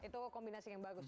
itu kombinasi yang bagus